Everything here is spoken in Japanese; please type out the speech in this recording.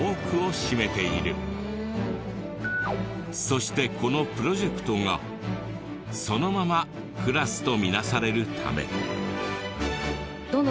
そしてこのプロジェクトがそのままクラスとみなされるため。